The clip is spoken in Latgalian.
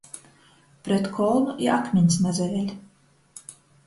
Pret kolnu i akmiņs nasaveļ.